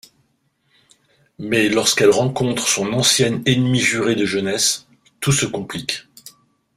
Mais lorsqu'elle rencontre son ancienne ennemie jurée de jeunesse, tout se complique...